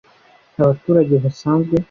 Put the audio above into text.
abaturage basanzwe